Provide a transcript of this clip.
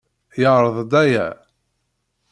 Yeɛreḍ aya.